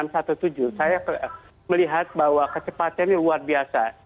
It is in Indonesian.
saya melihat bahwa kecepatannya luar biasa